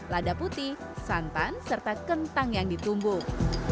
lada putih santan serta kentang yang ditumbuh